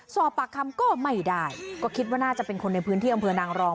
สอบปากคำก็ไม่ได้ก็คิดว่าน่าจะเป็นคนในพื้นที่อำเภอนางรอง